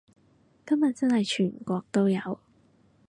今日真係全國都有